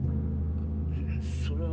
それは。